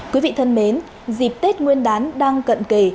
quý vị thân mến dịp tết nguyên đán đang cận kề